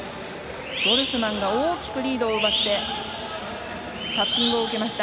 ドルスマンが大きくリードを奪ってタッピングを受けました。